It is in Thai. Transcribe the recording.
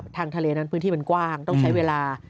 ทางทะเลนั้นพื้นที่มันกว้างต้องใช้เวลา